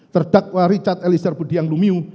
terdakwa richard elisir bediang mulyumiung